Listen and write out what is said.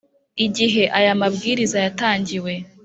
Igihe aya mabwiriza ya tangiwe